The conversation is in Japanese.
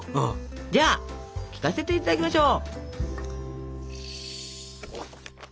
じゃあ聞かせていただきましょう！